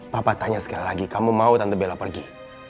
papa tanya sekali lagi kamu mau tante bela pergi